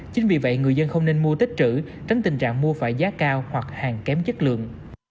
chính vì vậy người dân không nên mua tích trữ tránh tình trạng mua phải giá cao hoặc hàng kém chất lượng